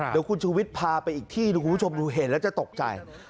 เดี๋ยวคุณชูวิทย์พาไปอีกที่คุณผู้ชมดูเห็นแล้วจะตกใจ